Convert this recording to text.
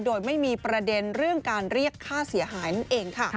โดยไม่มีประเด็นเรื่องการเรียกค่าเสียหายนั่นเองค่ะ